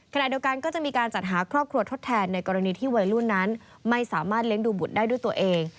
ขณะเดียวกันก็จะมีการจัดหาครอบครัวทดแทนในกรณีที่วัยรุ่นนั้นไม่สามารถเลี้ยงดูบุตรได้ด้วยตัวเอง